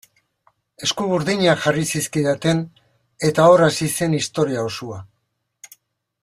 Eskuburdinak jarri zizkidaten eta hor hasi zen historia osoa.